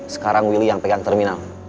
sekarang willy yang pegang terminal